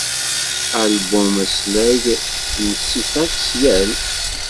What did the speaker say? Album aslag n Sifaks Yal.